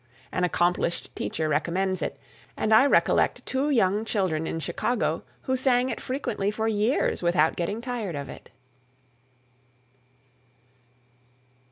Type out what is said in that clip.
An accomplished teacher recommends it, and I recollect two young children in Chicago who sang it frequently for years without getting tired of it.